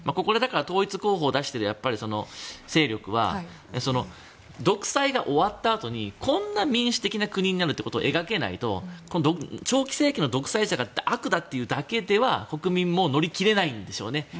ここで統一候補を出している勢力は独裁が終わったあとにこんな民主的な国になるということを描けないと長期政権の独裁者が悪だってだけでは国民も乗り切れないんでしょうね。